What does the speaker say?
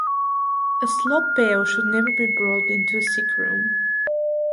A slop-pail should never be brought into a sick room.